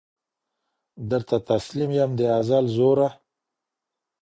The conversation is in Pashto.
درته تسلیم یم د ازل زوره